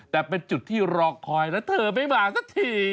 แต่เป็นจุดที่รอคอยแล้วเธอไม่มาสักที